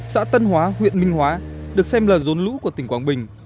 xã tân hóa huyện minh hóa được xem là rốn lũ của tỉnh quảng bình